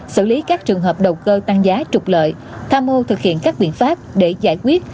xử lý các trường hợp đầu cơ tăng giá trục lợi tham mô thực hiện các biện pháp để giải quyết